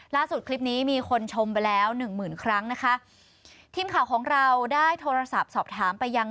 คลิปนี้มีคนชมไปแล้วหนึ่งหมื่นครั้งนะคะทีมข่าวของเราได้โทรศัพท์สอบถามไปยัง